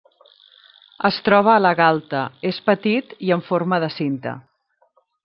Es troba a la galta; és petit i en forma de cinta.